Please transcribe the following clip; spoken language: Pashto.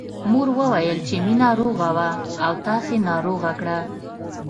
مور وويل چې مينه روغه وه او تاسې ناروغه کړه